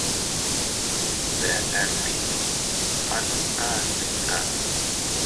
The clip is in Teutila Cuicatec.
Deʼer dii, anumkas tika.